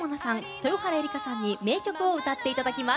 豊原江理佳さんに名曲を歌っていただきます。